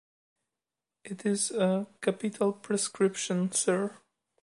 It’s a capital prescription, sir.